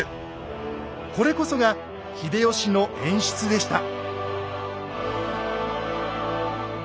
これこそが秀吉の演出でした。